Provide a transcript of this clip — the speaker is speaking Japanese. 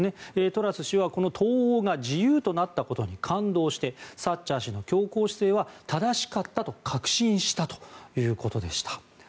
トラス氏は、この東欧が自由となったことに感動してサッチャー氏の強硬姿勢は正しかったと確信したということでした。